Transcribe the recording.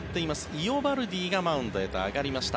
イオバルディがマウンドへと上がりました。